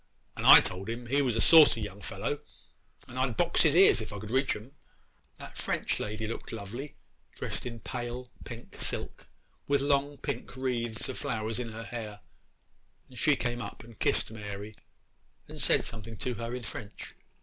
And I told him he was a saucy fellow, and I'd box his ears if I could reach them. 'That French lady looked lovely, dressed in pale pink silk, with long pink wreaths of flowers in her hair; and she came up and kissed Mary, and said something to her in French.